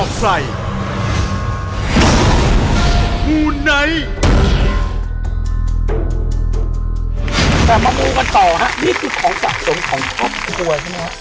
แต่มามูกันต่อฮะนี่คือของสะสมของครอบครัวใช่ไหมครับ